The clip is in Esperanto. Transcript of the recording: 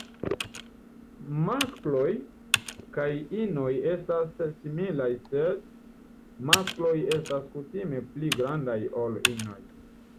Maskloj kaj inoj estas similaj sed maskloj estas kutime pli grandaj ol inoj.